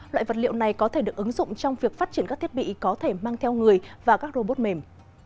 loại vật liệu này có thể được ứng dụng trong việc phát triển các thiết bị có thể mang theo người và các robot mềm